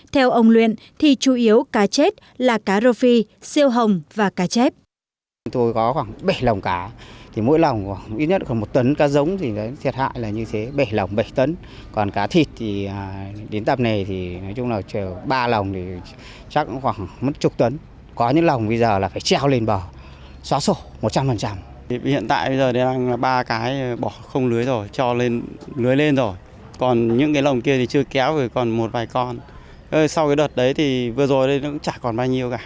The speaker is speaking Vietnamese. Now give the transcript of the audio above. theo ông luyện thì chủ yếu cá chết là cá rô phi siêu hồng và cá chép